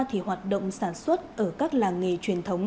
thì hoạt động sản xuất ở các làng nghề truyền thống